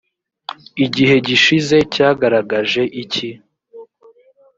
igihe gishize cyagaragaje iki ‽